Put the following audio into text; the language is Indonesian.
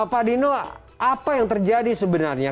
pak dino apa yang terjadi sebenarnya